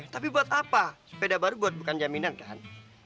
tapi buat apa sepeda baru buat bukan jaminan kan